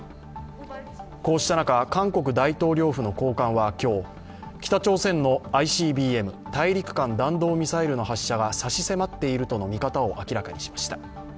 こうした中、韓国大統領府の高官は今日、北朝鮮のＩＣＢＭ＝大陸間弾道ミサイルの発射が差し迫っているとの見方を明らかにしました。